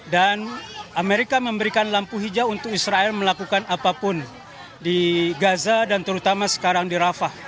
dan amerika memberikan lampu hijau untuk israel melakukan apapun di gaza dan terutama sekarang di rafah